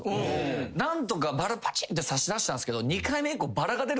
何とかバラぱちんって差し出したんすけど。